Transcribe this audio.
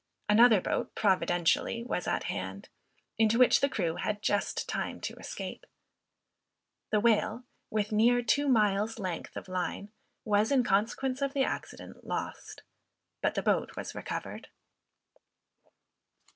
Another boat, providentially was at hand, into which the crew had just time to escape. The whale, with near two miles length of line, was, in consequence of the accident, lost, but the boat was recovered.